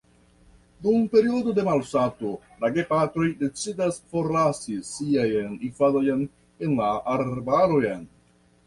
Dum periodo de malsato, la gepatroj decidas forlasi siajn infanojn en la arbaron.